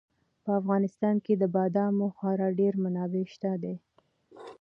په افغانستان کې د بادامو خورا ډېرې منابع شته دي.